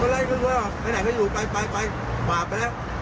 ไหนไหนก็บาปแล้วเดี๋ยวไปบอกคือ